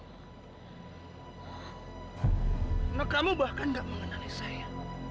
karena kamu bahkan gak mengenali saya